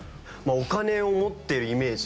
お金を持ってるイメージ。